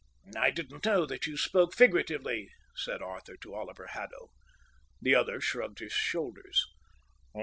"I didn't know that you spoke figuratively," said Arthur to Oliver Haddo. The other shrugged his shoulders.